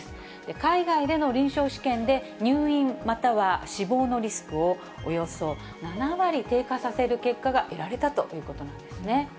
海外での臨床試験で入院、または死亡のリスクをおよそ７割低下させる結果が得られたということなんですね。